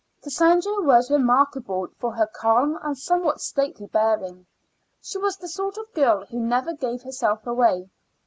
Cassandra was remarkable for her calm and somewhat stately bearing; she was the sort of girl who never gave herself away.